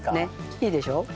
いいでしょ？